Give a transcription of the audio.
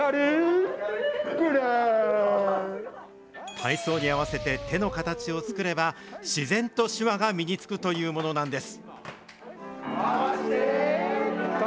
体操に合わせて手の形を作れば、自然と手話が身につくというものなんです。